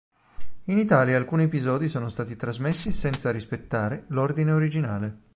In italia alcuni episodi sono stati trasmessi senza rispettare l'ordine originale.